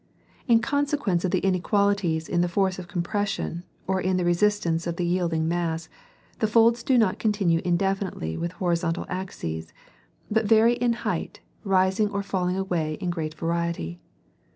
In consequence of the inequalities in the force of compression or in the resistance of the yielding mass, the folds do not continue indefinitely with horizontal axes, but vary in height, rising or falling away in great variety.